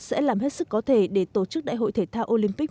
sẽ làm hết sức có thể để tổ chức đại hội thể thao olympic